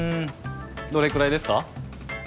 どれくらいですか？